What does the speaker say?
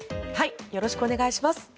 よろしくお願いします。